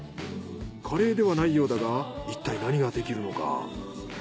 カレーではないようだがいったい何ができるのか？